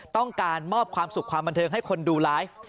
ต้องการมอบความสุขความบันเทิงให้คนดูไลฟ์